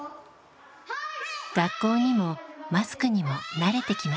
学校にもマスクにも慣れてきました。